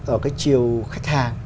ở cái chiều khách hàng